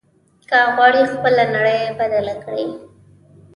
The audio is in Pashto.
که غواړې خپله نړۍ بدله کړې.